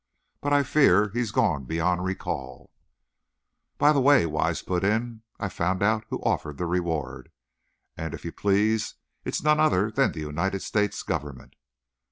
But I fear he's gone beyond recall." "By the way," Wise put in, "I've found out who offers the reward. And, if you please, it's none other than the United States Government!"